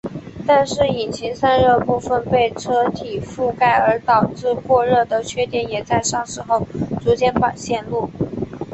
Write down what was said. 但是引擎散热部份被车体覆盖而导致过热的缺点也在上市后逐渐显露。